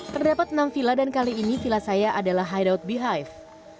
terdapat enam villa dan kali ini villa saya adalah hideout beehive